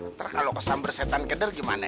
ntar kalo kesam bersetan keder gimana